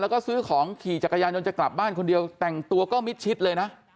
แล้วก็ซื้อของขี่จักรยานยนต์จะกลับบ้านคนเดียวแต่งตัวก็มิดชิดเลยนะ